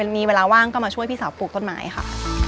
มีเวลาว่างก็มาช่วยพี่สาวปลูกต้นไม้ค่ะ